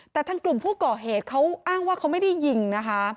แต่ทางกลุ่มผู้ก่อเหตุเขาอ้างว่าเขาไม่ได้ยิงนะคะ